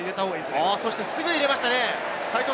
すぐ入れましたね。